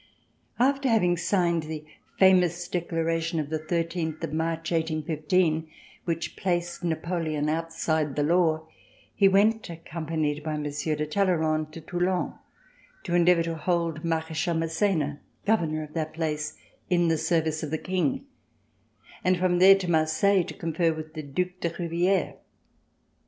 After having signed the famous declaration of the thirteenth of March, 1815, which placed Napoleon outside the law, he went, accompanied by Monsieur de Talleyrand, to Toulon, to endeavor to hold Marechal Massena, Governor of that place, in the service of the King, and from there to Marseille to confer with the Due de Riviere.